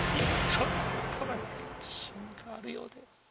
ちょっとだけ自信があるようで。